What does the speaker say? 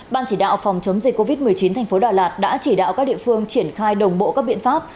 ban chỉ đạo phòng chống dịch covid một mươi chín thành phố đà lạt đã chỉ đạo các địa phương triển khai đồng bộ các biện pháp